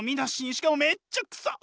しかもめっちゃ臭っ！